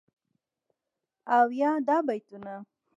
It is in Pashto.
او یادا بیتونه..